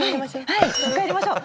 はいもう一回やりましょう！